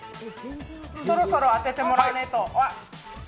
そろそろ当ててもらわないと。